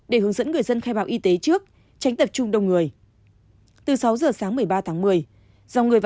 để hướng dẫn người dân khai báo y tế trước tránh tập trung đông người